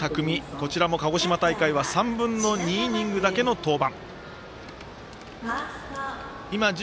こちらも鹿児島大会は３分の２イニングだけの登板。